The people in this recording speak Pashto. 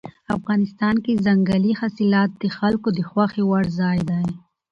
افغانستان کې ځنګلي حاصلات د خلکو د خوښې وړ ځای دی.